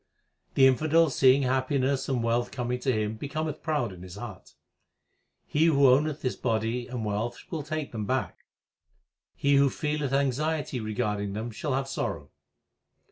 The infidel seeing happiness and wealth coming to him becometh proud in his heart. He who owneth this body and wealth will take them back ; he who feeleth anxiety regarding them shall have sorrow.